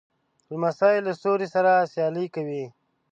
لمسی له ستوري سره سیالي کوي.